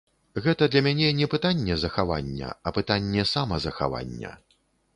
Гэта для мяне не пытанне захавання, а пытанне самазахавання.